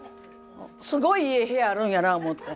すごいいい部屋あるんやな思て。